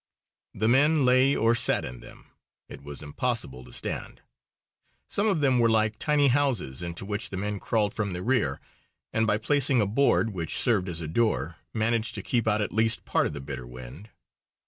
The men lay or sat in them it was impossible to stand. Some of them were like tiny houses into which the men crawled from the rear, and by placing a board, which served as a door, managed to keep out at least a part of the bitter wind.